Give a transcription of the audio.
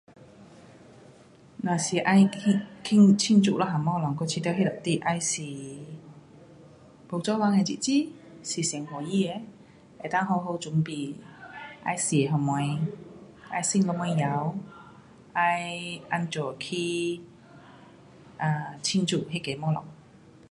若是要去庆，庆祝一样东西，我觉得那得你要是没做工的日子，是最欢喜的，能够很好准备要吃什么，要穿什么衣物，要怎样去啊，庆祝那个东西。